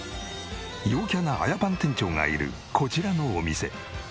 陽キャなあやぱん店長がいるこちらのお店。